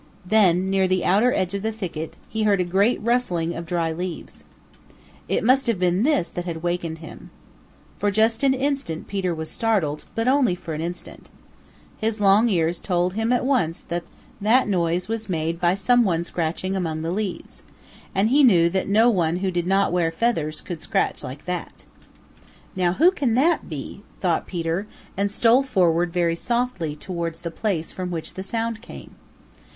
Then, near the outer edge of the thicket, he heard a great rustling of dry leaves. It must have been this that had wakened him. For just an instant Peter was startled, but only for an instant. His long ears told him at once that that noise was made by some one scratching among the leaves, and he knew that no one who did not wear feathers could scratch like that. "Now who can that be?" thought Peter, and stole forward very softly towards the place from which the sound came.